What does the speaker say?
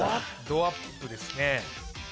どアップですね。